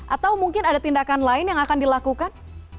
atau mungkin ada tindakan lain yang akan dilakukan